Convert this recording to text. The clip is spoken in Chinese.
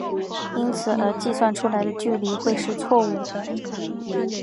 因此而计算出来的距离会是错武的。